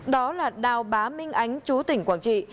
đó là đào bá minh ánh chú tỉnh quảng trị